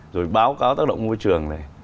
rồi báo cáo tác động môi trường này